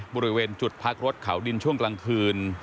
บริเวณจุดพักรถเขาดินช่วงกลางคืน